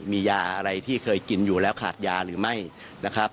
มียาอะไรที่เคยกินอยู่แล้วขาดยาหรือไม่นะครับ